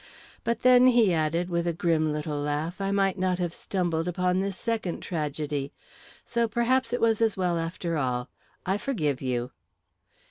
But then," he added, with a grim little laugh, "I might not have stumbled upon this second tragedy. So perhaps it was as well, after all. I forgive you."